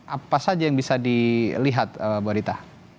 apa saja yang bisa dilihat bu adita